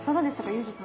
ユージさん。